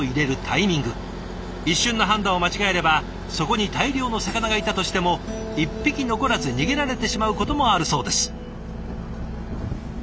一瞬の判断を間違えればそこに大量の魚がいたとしても一匹残らず逃げられてしまうこともあるそうです。